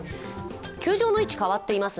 球場の位置が変わっています。